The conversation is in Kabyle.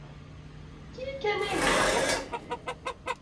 Efk-iyi-d kan ayen bɣiɣ.